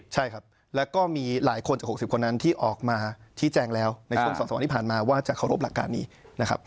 ใช่ครับแล้วก็มีหลายคนจาก๖๐คนนั้นที่ออกมาชี้แจงแล้วในช่วง๒๓วันที่ผ่านมาว่าจะเคารพหลักการนี้นะครับ